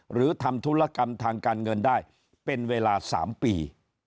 หรือทำธุรกรรมทางการเงินได้เป็นเวลา๓ปี